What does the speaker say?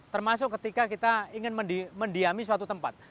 termasuk ketika kita ingin mendiami suatu tempat